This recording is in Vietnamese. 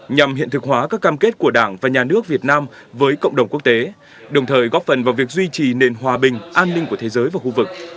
nhằm hiện thực hóa các cam kết của đảng và nhà nước việt nam với cộng đồng quốc tế đồng thời góp phần vào việc duy trì nền hòa bình an ninh của thế giới và khu vực